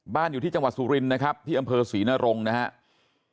อยู่ที่จังหวัดสุรินนะครับที่อำเภอศรีนรงค์นะครับ